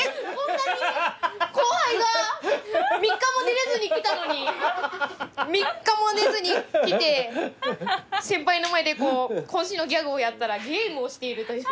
後輩が３日も寝れずに来たのに３日も寝ずに来て先輩の前で渾身のギャグをやったらゲームをしているという。